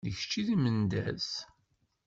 D kečč i d Mendas?